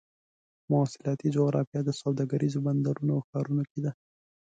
مواصلاتي جغرافیه د سوداګریزو بندرونو او ښارونو کې ده.